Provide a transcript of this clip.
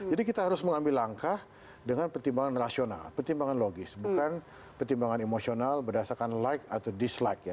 jadi kita harus mengambil langkah dengan pertimbangan rasional pertimbangan logis bukan pertimbangan emosional berdasarkan like atau dislike ya